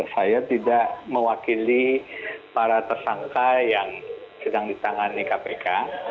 saya tidak mewakili para tersangka yang sedang ditangani kpk